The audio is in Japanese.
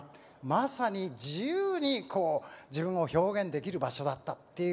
まさに自由にこう自分を表現できる場所だったっていう感じはあります。